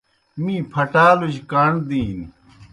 می پھٹَالوْ جیْ کاݨ دِینیْ۔